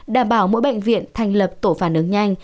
đảm bảo mỗi bệnh viện thành lập tổ phản ứng nhanh